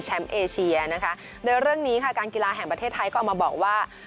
เอเชียนะคะโดยเรื่องนี้ค่ะการกีฬาแห่งประเทศไทยก็เอามาบอกว่า